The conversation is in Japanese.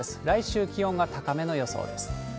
来週、気温が高めの予想です。